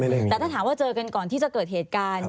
แต่ถ้าถามว่าเจอกันก่อนที่จะเกิดเหตุการณ์